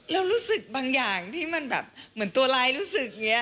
เรารู้สึกบางอย่างที่มันแบบเหมือนตัวร้ายรู้สึก